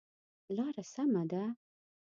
لاره سمه ده؟